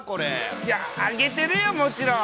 いや、あげてるよ、もちろん。